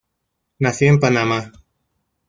Nació en Panamá.